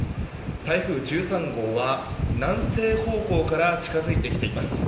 台風１３号は南西方向から近づいてきています。